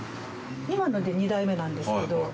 今ので２台目なんですけど。